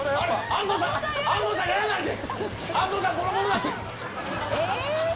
安藤さん、やらないで。